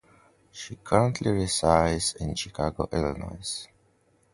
She currently resides in Chicago, Illinois.